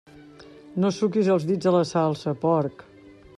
No suquis els dits a la salsa, porc!